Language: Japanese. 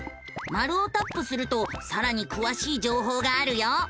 マルをタップするとさらにくわしい情報があるよ。